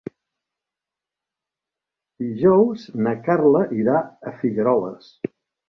Dijous na Carla irà a Figueroles.